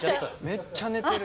めっちゃ寝てる。